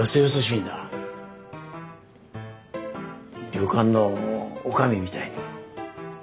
旅館の女将みたいに。